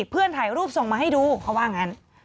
เพื่อนถ่ายรูปส่งมาให้ดูเขาว่างั้น